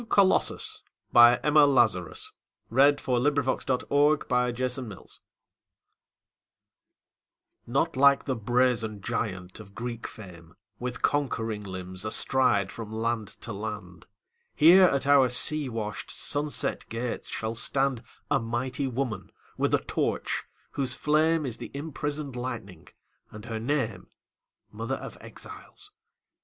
The Book of New York Verse. 1917. The New Colossus Emma Lazarus NOT like the brazen giant of Greek fame, With conquering limbs astride from land to land; Here at our sea washed, sunset gates shall standA mighty woman with a torch, whose flameIs the imprisoned lightning, and her nameMother of Exiles.